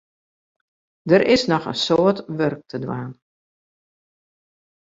Der is noch in soad wurk te dwaan.